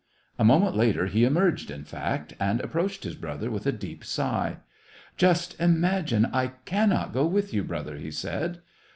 A moment later he emerged, in fact, and ap proached his brother, with a deep sigh. "Just imagine ! I cannot go with you, brother," he said.